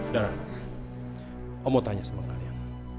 darah kamu mau tanya sama kalian